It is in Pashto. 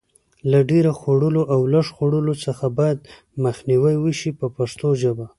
له ډېر خوړلو او لږ خوړلو څخه باید مخنیوی وشي په پښتو ژبه.